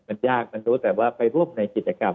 มันยากมันรู้แต่ว่าไปร่วมในกิจกรรม